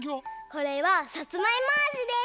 これはさつまいもあじです！